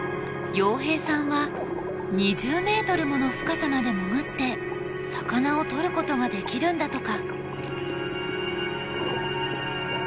洋平さんは２０ｍもの深さまで潜って魚をとることができるんだとか。